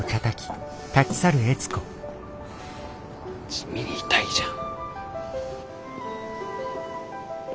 地味に痛いじゃん。